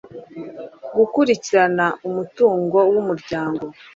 gukurikirana umutungo w umuryango